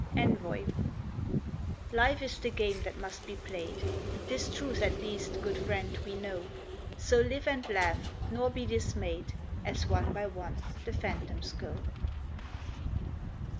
ENVOY Life is the game that must be played: This truth at least, good friend, we know; So live and laugh, nor be dismayed As one by one the phantoms go.